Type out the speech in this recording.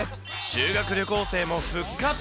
修学旅行生も復活。